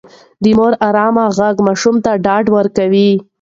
د مور ارام غږ ماشوم ته ډاډ ورکوي.